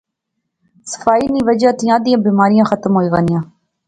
صفائی نی وجہ سی ادیاں بیماریاں ختم ہوئی غنیاں